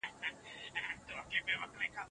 څېړنه باید د ټولنې په ګټه وي.